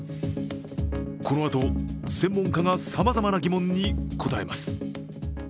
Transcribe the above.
このあと専門家がさまざまな疑問に答えます。